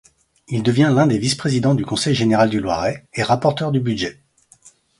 Il devient l'un des vice-présidents du Conseil général du Loiret et rapporteur du budget.